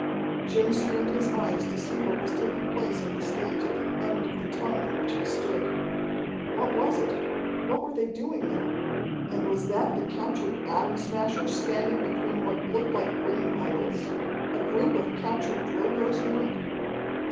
Jim strained his eyes to see what was taking place on the stage at the end of the tongue on which he stood. What was it? What were they doing there? And was that the captured Atom Smasher standing between what looked like grinning idols? A group of captured Drilgoes near it?